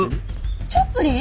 チャップリン！？